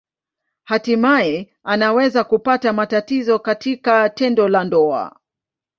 Hatimaye anaweza kupata matatizo katika tendo la ndoa.